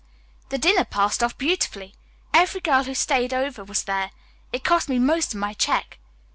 "The dinner passed off beautifully. Every girl who stayed over was there. It cost me most of my check."